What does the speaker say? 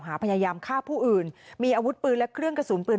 พยายามฆ่าผู้อื่นมีอาวุธปืนและเครื่องกระสุนปืน